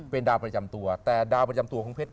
เป็นดาวประจำตัวแต่ดาวประจำตัวของเพชร